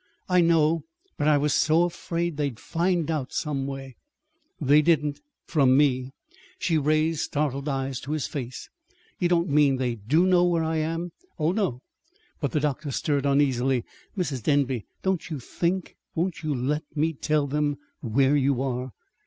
"I know; but I was so afraid they'd find out some way." "They didn't from me." She raised startled eyes to his face. "You don't mean they do know where I am?" "Oh, no. But " The doctor stirred uneasily. "Mrs. Denby, don't you think Won't you let me tell them where you are?"